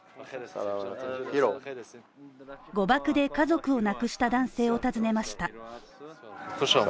誤爆で家族を亡くした男性を訪ねました。